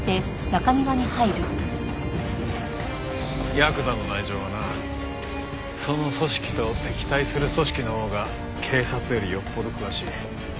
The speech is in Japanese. ヤクザの内情はなその組織と敵対する組織のほうが警察よりよっぽど詳しい。